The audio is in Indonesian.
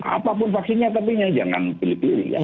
apapun vaksinnya tapi jangan pilih pilih ya